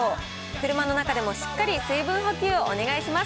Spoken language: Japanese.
車の中でもしっかり水分補給をお願いします。